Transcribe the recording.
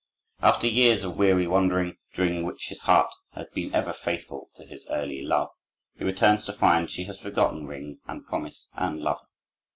After years of weary wandering, during which his heart has been ever faithful to his early love, he returns to find she has forgotten ring and promise and lover.